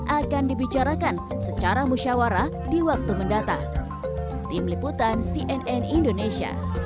akan dibicarakan secara musyawarah di waktu mendatang